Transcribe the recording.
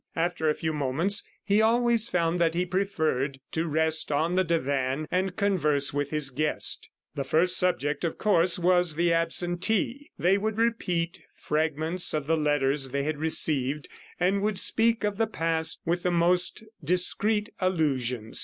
After a few moments, he always found that he preferred to rest on the divan and converse with his guest. The first subject, of course, was the absentee. They would repeat fragments of the letters they had received, and would speak of the past with the most discreet allusions.